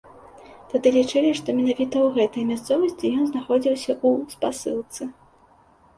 Тады лічылі, што менавіта ў гэтай мясцовасці ён знаходзіўся ў спасылцы.